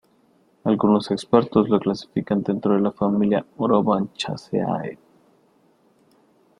Algunos expertos lo clasifican dentro de la familia Orobanchaceae.